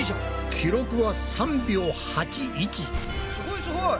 記録はすごいすごい！